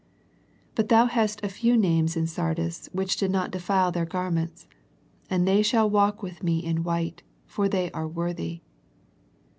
" But thou hast a few names in Sardis which did not defile their garments: and they shall walk with Me in white; for they are worthy."